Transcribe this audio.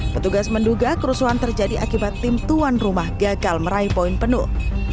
petugas menduga kerusuhan terjadi akibat tim tuan rumah gagal meraih poin penuh